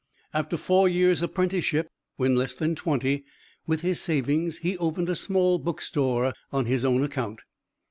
After four years' apprenticeship, when less than twenty, with his savings he opened a small book store on his own account.